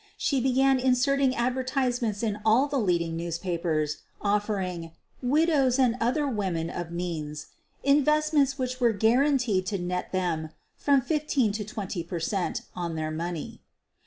She began inserting advertisements in all the leading news papers offering "widows and other women of means' ' investments which were guaranteed to net them from 15 to 20 per cent, on their money.